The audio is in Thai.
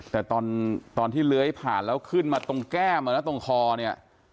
แต่ตอนตอนที่เล้ยผ่านแล้วขึ้นมาตรงแก้มแล้วตรงคอเนี้ย